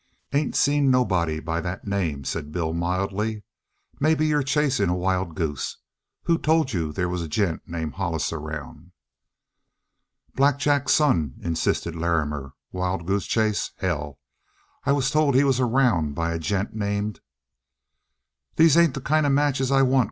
"Ain't seen nobody by that name," said Bill mildly. "Maybe you're chasing a wild goose? Who told you they was a gent named Hollis around?" "Black Jack's son," insisted Larrimer. "Wild goose chase, hell! I was told he was around by a gent named " "These ain't the kind of matches I want!"